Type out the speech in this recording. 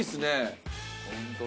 ホントだ。